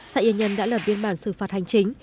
xã yên nhân đã lập biên bản xử phạt hành chính